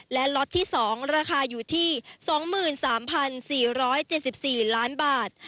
และล็อตที่๒ราคาอยู่ที่๒๓๔๗๔ล้านบาท